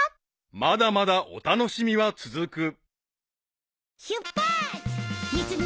［まだまだお楽しみは続く］